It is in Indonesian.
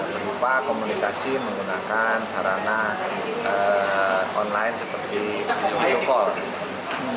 berupa komunikasi menggunakan sarana online seperti video call